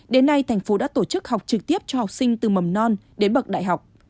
đến nay thành phố đã tổ chức học trực tiếp cho học sinh từ mầm non đến bậc đại học